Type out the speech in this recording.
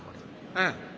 うん。